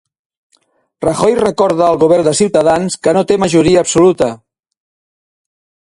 Rajoy recorda al govern de Cs que no té majoria absoluta.